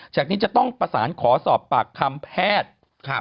จากนี้จะต้องประสานขอสอบปากคำแพทย์